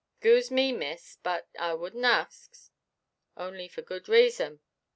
'Scuse me, miss, but I wouldnʼt ax, only for good raison."